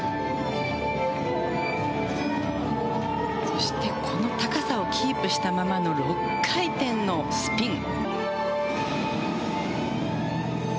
そしてこの高さをキープしたままの６回転のスピン。